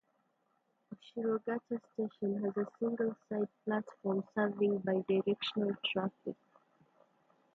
Ushirogata Station has a single side platform serving bi-directional traffic.